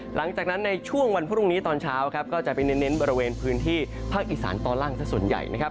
หลังจากนั้นในช่วงวันพรุ่งนี้ตอนเช้าครับก็จะไปเน้นบริเวณพื้นที่ภาคอีสานตอนล่างสักส่วนใหญ่นะครับ